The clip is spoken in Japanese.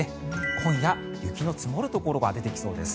今夜、雪の積もるところが出てきそうです。